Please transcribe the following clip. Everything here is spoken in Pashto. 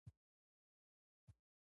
د شنو پاڼو سیوري ژوند ته یخوالی ورکوي.